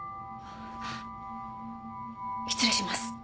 失礼します。